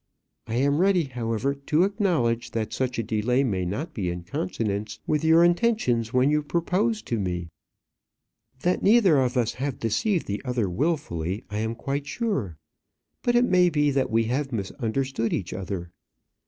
I am ready, however, to acknowledge that such a delay may not be in consonance with your intentions when you proposed to me. That neither of us have deceived the other wilfully I am quite sure; but it may be that we have misunderstood each other.